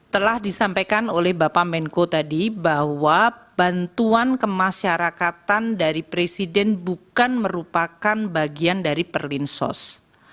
telah disampaikan oleh bapak menko tadi bahwa bantuan kemasyarakatan dari presiden bukan merupakan bagian dari perlinsos